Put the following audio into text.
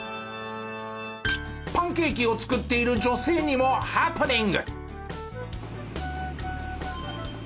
パンケーキを作っている女性にもハプニング！